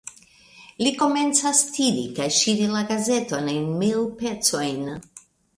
Li komencas tiri kaj ŝiri la gazeton en mil pecojn.